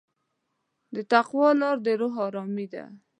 د تقوی لاره د روح ارامي ده.